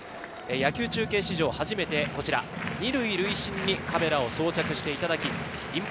野球中継史上初めて２塁塁審にカメラを装着していただき、インプ